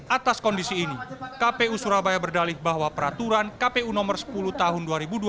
atas kondisi ini kpu surabaya berdalih bahwa peraturan kpu nomor sepuluh tahun dua ribu dua puluh